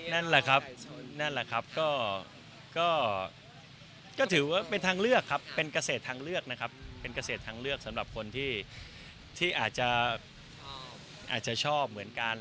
นั่นแหละครับนั่นแหละครับก็ถือว่าเป็นทางเลือกครับเป็นเกษตรทางเลือกนะครับเป็นเกษตรทางเลือกสำหรับคนที่อาจจะชอบเหมือนกัน